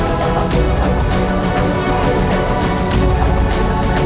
ma buka pintu dong ma